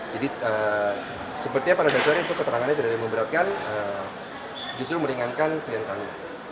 jadi sepertinya pada dasarnya itu keterangannya tidak ada yang memberatkan justru meringankan klien kami